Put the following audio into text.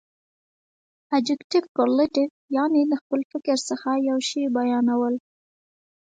ابجګټف کورلیټف، یعني د خپل فکر څخه یو شي بیانول.